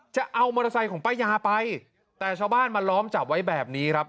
จะเอามอเตอร์ไซค์ของป้ายาไปแต่ชาวบ้านมาล้อมจับไว้แบบนี้ครับ